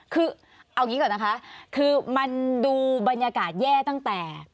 คือเอาอย่างนี้ก่อนนะคะคือมันดูบรรยากาศแย่ตั้งแต่